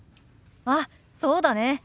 あっそうだね。